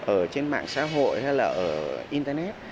ở trên mạng xã hội hay là ở internet